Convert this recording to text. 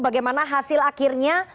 bagaimana hasil akhirnya